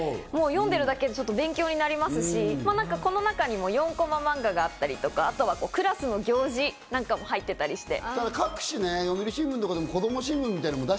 読んでるだけで勉強になりますし、この中にも４コマ漫画があったり、クラスの行事なんかも入っていたりして。